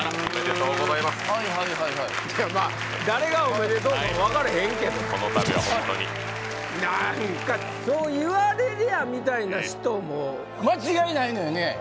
はいはいはいいやまあ誰がおめでとうか分からへんけどこのたびはホントに何かそう言われりゃみたいな人も間違いないのよね？